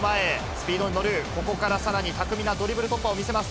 スピードに乗る、ここからさらに巧みなドリブル突破を見せます。